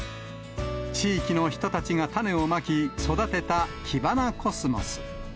地域の人たちが種をまき、育てたキバナコスモス。